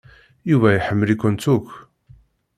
Yuba iḥemmel-ikent akk.